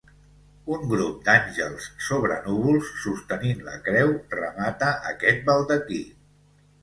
Un grup d'àngels sobre núvols sostenint la creu remata aquest baldaquí.